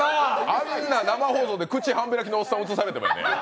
あんな生放送で口半開きのおっさん映されてもさ。